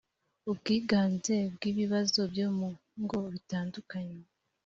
ubwiganze bw ibibazo byo mu ngo bitandukanye